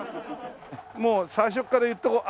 もう最初から言っとこう。